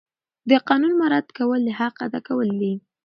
د قانون مراعات کول د حق ادا کول دي.